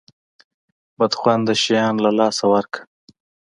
بد خونده شیان له لاسه ورکه.